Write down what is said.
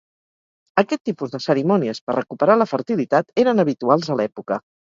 Aquest tipus de cerimònies per recuperar la fertilitat eren habituals a l'època.